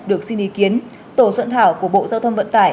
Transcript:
được xin ý kiến tổ xuận thảo của bộ giáo thông vận tài